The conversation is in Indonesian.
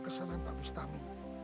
kesalahan pak bustami